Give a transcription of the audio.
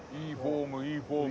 いいフォーム。